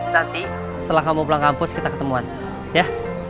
nanti setelah kamu pulang kampus kita ketemuan ya